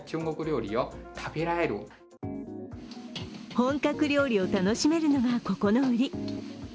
本格料理を楽しめるのがここの売り。